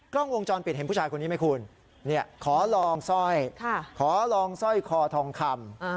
กล้องวงจรปิดเห็นผู้ชายคนนี้ไหมคุณขอลองสร้อยขอลองสร้อยคอทองคำ